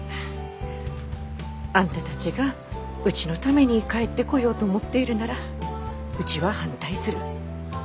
あんたたちがうちのために帰ってこようと思っているならうちは反対する。